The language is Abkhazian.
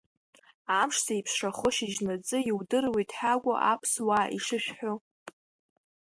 Амш зеиԥшрахо шьыжьнаҵы иудыруеит ҳәакәу аԥсуаа ишышәҳәо?!